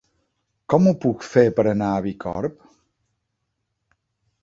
Com ho puc fer per anar a Bicorb?